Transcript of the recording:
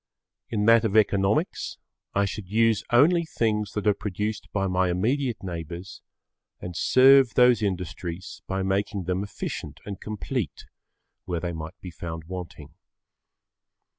In that of economics I should use only things that are produced by my immediate[Pg 12] neighbours and serve those industries by making them efficient and complete where they might be found wanting.